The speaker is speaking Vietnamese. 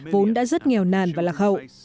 vốn đã rất nghèo nàn và lạc hậu